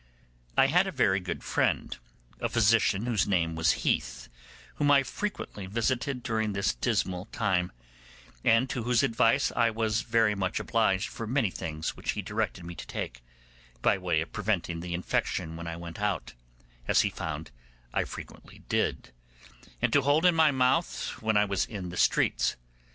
I had a very good friend, a physician, whose name was Heath, whom I frequently visited during this dismal time, and to whose advice I was very much obliged for many things which he directed me to take, by way of preventing the infection when I went out, as he found I frequently did, and to hold in my mouth when I was in the streets.